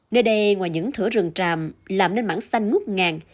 nơi đây ngoài những thửa rừng tràm làm nên mảng xanh ngút ngàn